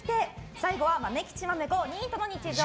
最後は「まめきちまめこニートの日常」。